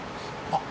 あっ